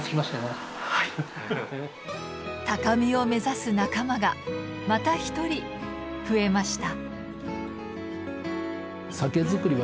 高みを目指す仲間がまた一人増えました。